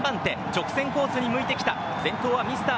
直線コースに向いてきた。